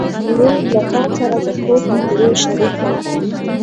ورور له تا سره د ښو خاطرو شریک دی.